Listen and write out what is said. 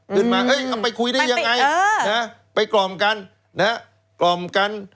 ขึ้นมาเอ้ยเอาไปคุยได้ยังไงเออไปกรอบกัน